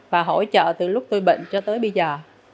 và hỗ trợ từ lúc tôi bệnh cho tới bây giờ